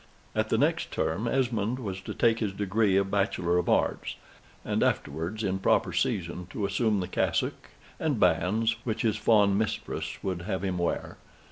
At the next term Esmond was to take his degree of Bachelor of Arts, and afterwards, in proper season, to assume the cassock and bands which his fond mistress would have him wear.